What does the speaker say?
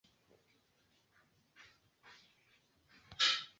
Alienda kwake